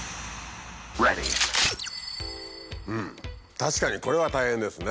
確かにこれは大変ですね。